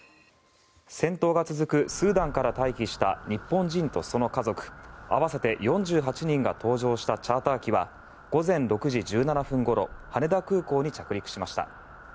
戦闘が続くスーダンから退避した日本人とその家族合わせて４８人が搭乗したチャーター機は午前６時１７分ごろ羽田空港に着陸しました。